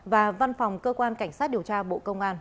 và văn phòng cơ quan cảnh sát điều tra bộ công an